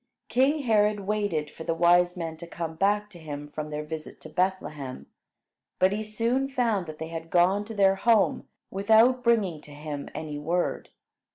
King Herod waited for the wise men to come back to him from their visit to Bethlehem; but he soon found that they had gone to their home without bringing to him any word.